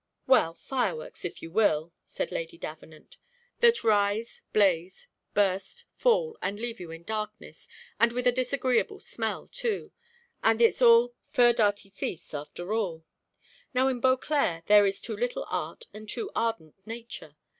"Well, fireworks, if you will," said Lady Davenant, "that rise, blaze, burst, fall, and leave you in darkness, and with a disagreeable smell too; and it's all feu d'artifice after all. Now in Beauclerc there is too little art and too ardent nature.